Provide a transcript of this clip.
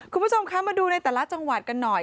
คุณผู้ชมคะมาดูในแต่ละจังหวัดกันหน่อย